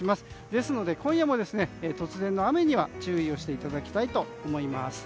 ですので今夜も突然の雨には注意していただきたいと思います。